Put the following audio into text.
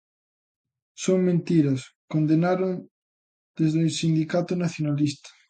"Son mentiras", condenaron desde o sindicato nacionalista.